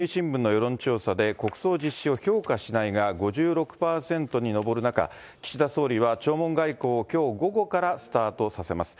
ＮＮＮと読売新聞の世論調査で、国葬実施を評価しないが５６％に上る中、岸田総理は弔問外交をきょう午後からスタートさせます。